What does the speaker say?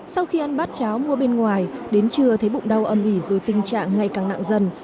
sau khi ăn bát cháo mua bên ngoài đến trưa thấy bụng đau âm ỉ rồi tình trạng ngày càng nặng dần